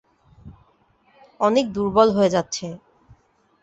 অনেক দুর্বল হয়ে যাচ্ছে।